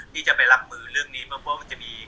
ที่จะไปรับมือเรื่องนี้